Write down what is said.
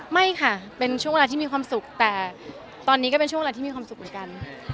ไม่ค่ะเป็นช่วงเวลาที่มีความสุขแต่ตอนนี้ก็เป็นช่วงเวลาที่มีความสุขเหมือนกัน